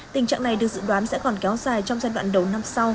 tình trạng này được dự đoán sẽ còn kéo dài trong giai đoạn đầu năm sau